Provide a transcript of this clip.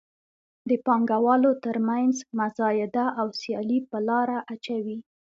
د پانګوالو تر مینځ مزایده او سیالي په لاره اچوي.